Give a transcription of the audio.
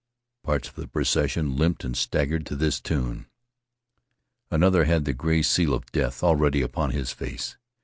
Parts of the procession limped and staggered to this tune. Another had the gray seal of death already upon his face.